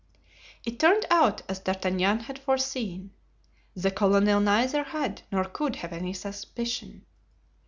It turned out as D'Artagnan had foreseen. The colonel neither had nor could have any suspicion.